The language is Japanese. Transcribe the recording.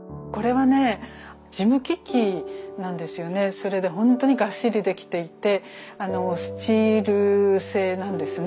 それでほんとにがっしりできていてスチール製なんですね。